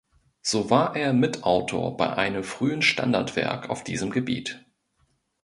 So war er Mitautor bei einem frühen Standardwerk auf diesem Gebiet.